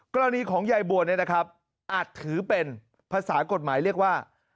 กรณีของยายบัวเนี่ยนะครับอาจถือเป็นภาษากฎหมายเรียกว่า